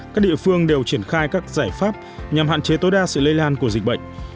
các địa phương đều triển khai các giải pháp nhằm hạn chế tối đa sự lây lan của dịch bệnh